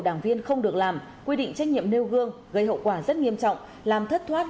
đảng viên không được làm quy định trách nhiệm nêu gương gây hậu quả rất nghiêm trọng làm thất thoát